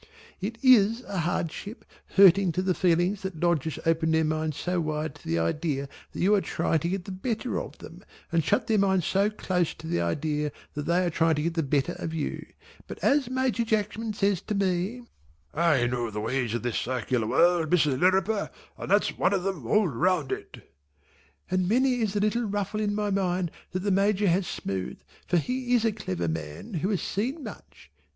It is a hardship hurting to the feelings that Lodgers open their minds so wide to the idea that you are trying to get the better of them and shut their minds so close to the idea that they are trying to get the better of you, but as Major Jackman says to me, "I know the ways of this circular world Mrs. Lirriper, and that's one of 'em all round it" and many is the little ruffle in my mind that the Major has smoothed, for he is a clever man who has seen much.